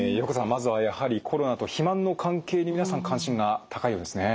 まずはやはりコロナと肥満の関係に皆さん関心が高いようですね。